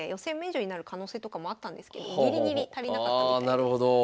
あなるほど。